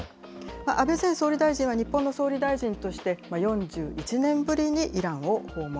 安倍前総理大臣は日本の総理大臣として、４１年ぶりにイランを訪問。